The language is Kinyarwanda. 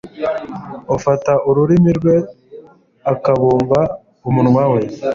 Ufata ururimi rwe akabumba umunwa we